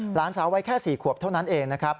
หลานสาววัยแค่๔ขวบเท่านั้นเองนะครับ